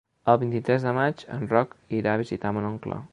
El vint-i-tres de maig en Roc irà a visitar mon oncle.